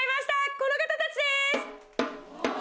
この方たちです！